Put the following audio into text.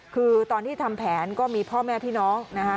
คือตอนที่ทำแผนก็มีพ่อแม่พี่น้องนะคะ